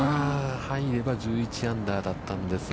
入れば１１アンダーだったんですが。